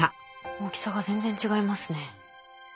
大きさが全然違いますね。